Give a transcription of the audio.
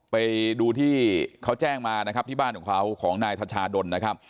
ไปดูที่เขาแจ้งมานะครับที่บ้านของเขาของนายธชาดลนะครับ